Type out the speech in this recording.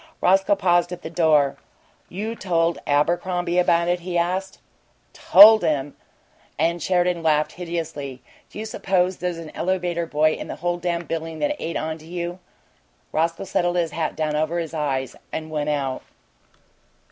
Roscoe paused at the door. "You told Abercrombie about it?" he asked. "TOLD him!" And Sheridan laughed hideously. "Do you suppose there's an elevator boy in the whole dam' building that ain't on to you?" Roscoe settled his hat down over his eyes and went out.